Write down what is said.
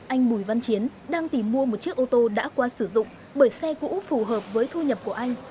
anh bùi văn chiến đang tìm mua một chiếc ô tô đã qua sử dụng bởi xe cũ phù hợp với thu nhập của anh